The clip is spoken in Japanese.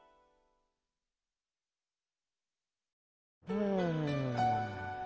うん。